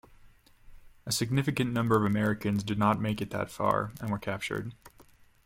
A significant number of Americans did not make it that far, and were captured.